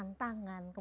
menenangkan diri kita